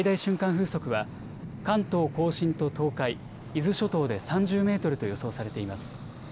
風速は関東甲信と東海、伊豆諸島で３０メートルと予想されています。